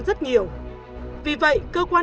rất nhiều vì vậy cơ quan